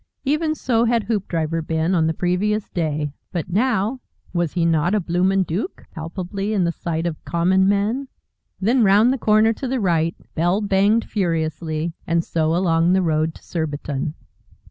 Even so had Hoopdriver been on the previous day. But now, was he not a bloomin' Dook, palpably in the sight of common men? Then round the corner to the right bell banged furiously and so along the road to Surbiton.